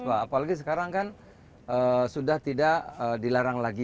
apalagi sekarang kan sudah tidak dilarang lagi